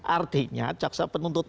artinya caksa penuntut